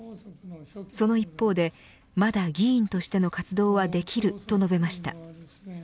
その一方で、まだ議員としての活動はできると述べました。